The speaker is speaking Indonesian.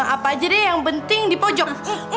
apa aja deh yang penting di pojok